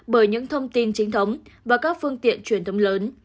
bởi những thông tin chính thống và các phương tiện truyền thống lớn